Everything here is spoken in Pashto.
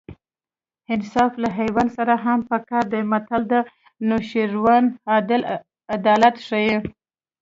انصاف له حیوان سره هم په کار دی متل د نوشیروان عادل عدالت ښيي